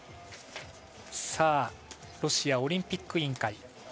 ロシアオリンピック委員会。